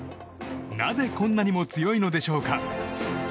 なぜ、こんなにも強いのでしょうか。